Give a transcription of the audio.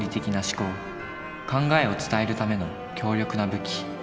考えを伝えるための強力な武器。